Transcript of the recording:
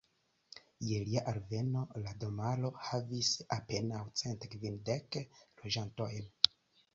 Je lia alveno, la domaro havis apenaŭ cent kvindek loĝantojn.